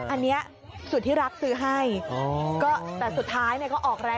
อันเนี้ยสุดที่รักซื้อให้